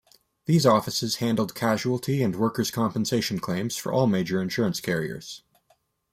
These offices handled casualty and workers' compensation claims for all major insurance carriers.